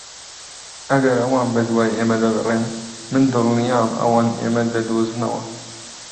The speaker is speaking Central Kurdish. ئەگەر ئەوان بەدوای ئێمە دەگەڕێن، من دڵنیام ئەوان ئێمە دەدۆزنەوە.